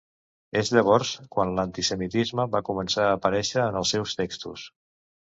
És llavors quan l'antisemitisme va començar a aparéixer en els seus textos.